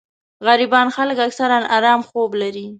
غريبان خلک اکثر ارام خوب لري